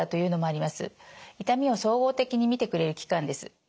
痛みを総合的に見てくれる機関です。